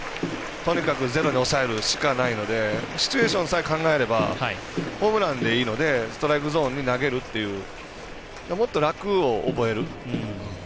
とにかくゼロで抑えるしかないのでシチュエーションさえ考えればホームランでいいのでストライクゾーンに投げるっていう、もっと楽を覚える。